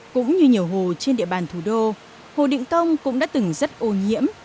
cũng như nhiều hồ trên địa bàn thủ đô hồ định công cũng đã từng rất ô nhiễm